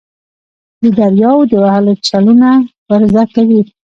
د دریاوو د وهلو چلونه ور زده کوي.